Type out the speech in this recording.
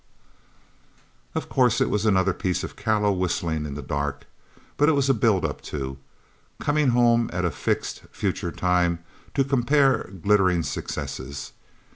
Of course it was another piece of callow whistling in the dark, but it was a buildup, too. Coming home at a fixed, future time, to compare glittering successes.